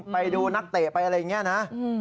ไปดูนักเตะไปอะไรอย่างนี้นะ